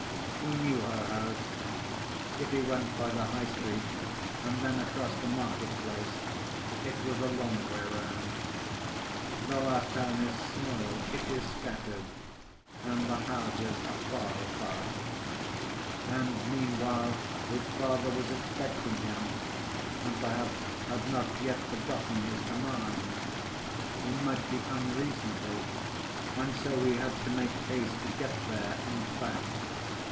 He knew her house. If he went by the High Street and then across the market‐place, it was a long way round. Though our town is small, it is scattered, and the houses are far apart. And meanwhile his father was expecting him, and perhaps had not yet forgotten his command. He might be unreasonable, and so he had to make haste to get there and back.